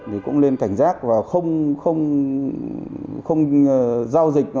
thì cũng lên cảnh giác và không giao dịch